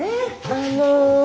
あの。